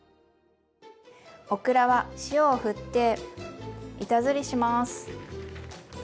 オクラは塩をふって板ずりします。